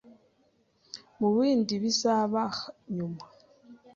Mu bindi bizaba nyuma